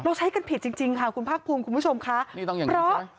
ใช้กันผิดจริงจริงค่ะคุณภาคภูมิคุณผู้ชมค่ะนี่ต้องอย่างนี้